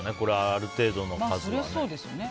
ある程度の数はね。